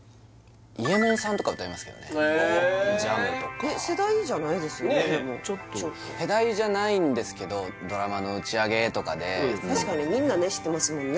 イエモンさんとか歌いますけどね「ＪＡＭ」とか世代じゃないですよねでも世代じゃないんですけどドラマの打ち上げとかで確かにみんなね知ってますもんね